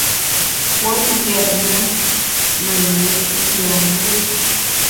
Kouop yètne menyit njiamgbié.